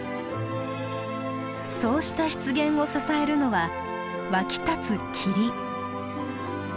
そうした湿原を支えるのは湧き立つ霧。